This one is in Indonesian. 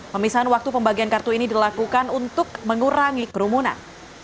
pemisahan waktu pembagian kartu ini dilakukan untuk mengurangi kerumunan